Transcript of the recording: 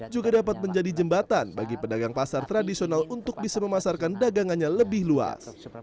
juga dapat menjadi jembatan bagi pedagang pasar tradisional untuk bisa memasarkan dagangannya lebih luas